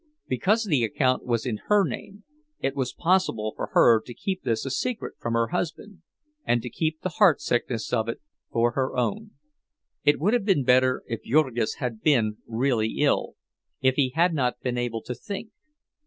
Because the account was in her name, it was possible for her to keep this a secret from her husband, and to keep the heartsickness of it for her own. It would have been better if Jurgis had been really ill; if he had not been able to think.